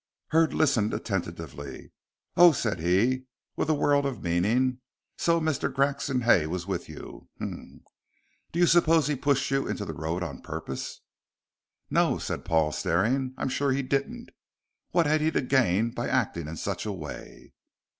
Hurd listened attentively. "Oh," said he, with a world of meaning, "so Mr. Grexon Hay was with you? Hum! Do you suppose he pushed you into the road on purpose?" "No," said Paul, staring, "I'm sure he didn't. What had he to gain by acting in such a way?"